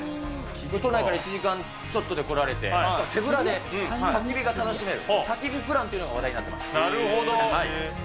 都内から１時間ちょっとで来られて、しかも手ぶらでたき火が楽しめる焚き火プランというのが話題にななるほど。